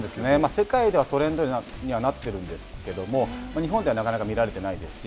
世界ではトレンドにはなっているんですけれども日本では、なかなか見られてないですし。